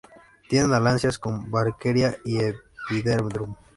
Tienen alianza con "Barkeria" y "Epidendrum".